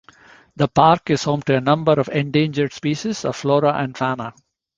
The park is home to a number of endangered species of flora and fauna.